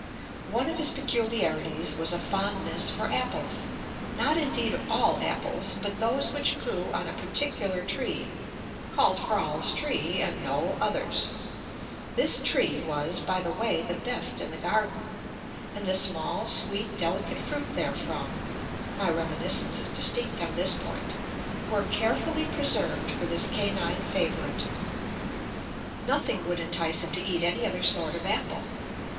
One of his peculiarities was a fondness for apples not indeed all apples, but those which grew on a particular tree, called 'Froll's tree,' and no others; this tree was, by the way, the best in the garden, and the small, sweet, delicate fruit therefrom (my reminiscence is distinct on this point) were carefully preserved for this canine favourite. Nothing would entice him to eat any other sort of apple.